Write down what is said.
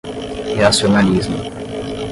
reaccionarismo